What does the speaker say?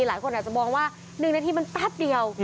หลายคนอาจจะมองว่า๑นาทีมันแป๊บเดียว